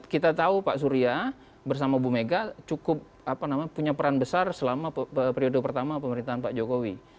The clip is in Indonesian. kita tahu pak surya bersama bu mega cukup punya peran besar selama periode pertama pemerintahan pak jokowi